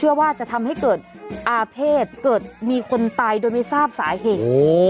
ว่าจะทำให้เกิดอาเภษเกิดมีคนตายโดยไม่ทราบสาเหตุ